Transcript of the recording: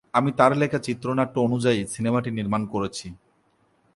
আমি তার লেখা চিত্রনাট্য অনুযায়ী সিনেমাটি নির্মাণ করেছি।